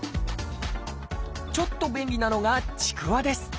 ちょっと便利なのがちくわです。